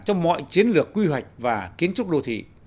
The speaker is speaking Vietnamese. trong mọi chiến lược quy hoạch và kiến trúc đô thị